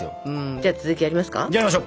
じゃあ続きやりますか！